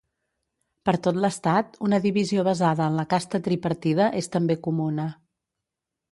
Per tot l'estat, una divisió basada en la casta tripartida és també comuna.